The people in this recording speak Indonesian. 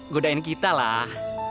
godain kita lah